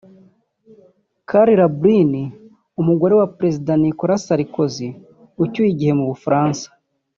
Carla Bruni umugore wa Perezida Nicholas Sarkozy ucyuye igihe mu Bufaransa